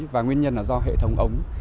và nguyên nhân là do hệ thống ống